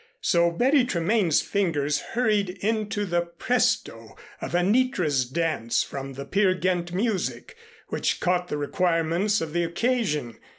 So Betty Tremaine's fingers hurried into the presto of Anitra's Dance from the "Peer Gynt" music, which caught the requirements of the occasion.